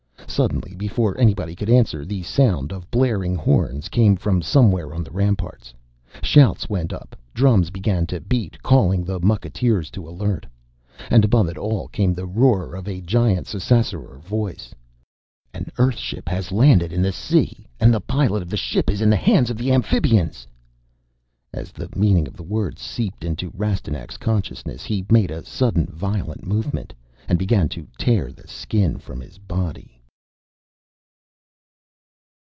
Suddenly, before anybody could answer, the sound of blaring horns came from somewhere on the ramparts. Shouts went up; drums began to beat, calling the mucketeers to alert. And above it all came the roar of a giant Ssassaror voice: "An Earthship has landed in the sea! And the pilot of the ship is in the hands of the Amphibians!" As the meaning of the words seeped into Rastignac's consciousness he made a sudden violent movement and began to tear the Skin from his body!